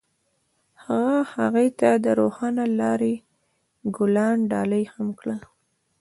هغه هغې ته د روښانه لاره ګلان ډالۍ هم کړل.